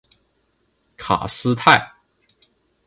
卡斯泰。